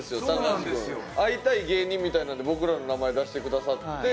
「会いたい芸人」みたいなので僕らの名前出してくださって。